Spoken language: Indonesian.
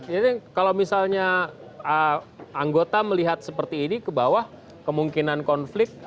jadi kalau misalnya anggota melihat seperti ini ke bawah kemungkinan konflik akan berubah